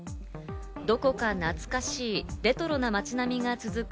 どこか懐かしいレトロな街並みが続く